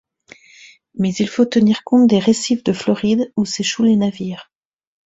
Mais il faut tenir compte des récifs de Floride, où s'échouent les navires.